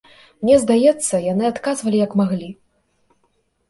Мне здаецца, яны адказвалі, як маглі.